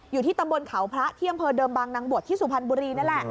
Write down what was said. อยู่ที่ตำบลเขาพระที่อำเภอเดิมบางนางบวชที่สุพรรณบุรีนั่นแหละ